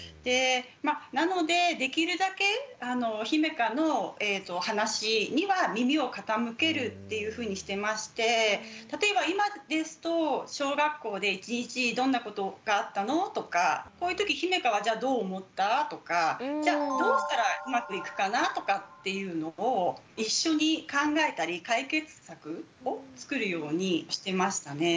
なのでできるだけひめかの例えば今ですと小学校で一日どんなことがあったの？とかこういうときひめかはじゃあどう思った？とかじゃどうしたらうまくいくかな？とかっていうのを一緒に考えたり解決策をつくるようにしてましたね。